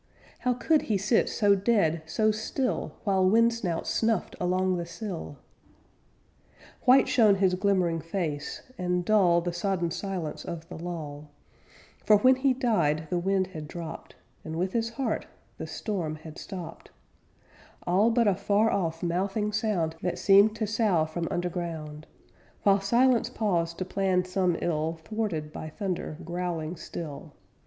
How could he sit so dead, so still! While wind snouts snuffed along the sill? White shone his glimmering face, and dull The sodden silence of the lull, For when he died the wind had dropt; And with his heart the storm had stopt, All but a far off mouthing sound That seemed to sough from underground; While silence paused to plan some ill, Thwarted by thunder growling still.